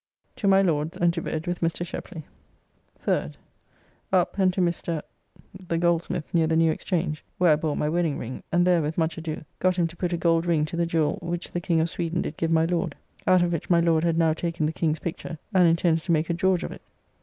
To my Lord's, and to bed with Mr. Sheply. 3rd. Up and to Mr. , the goldsmith near the new Exchange, where I bought my wedding ring, and there, with much ado, got him to put a gold ring to the jewell, which the King of Sweden did give my Lord: out of which my Lord had now taken the King's picture, and intends to make a George of it.